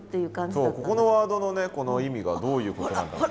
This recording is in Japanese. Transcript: ここのワードのねこの意味がどういうことなんだろう。